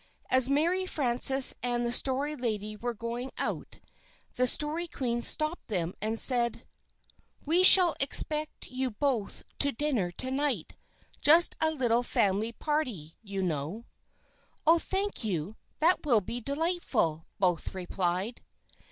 As Mary Frances and the Story Lady were going out, the Story Queen stopped them and said: "We shall expect you both to dinner to night just a little family party, you know." "Oh, thank you, that will be delightful," both replied.